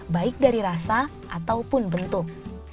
baik dari rasa ataupun bentuk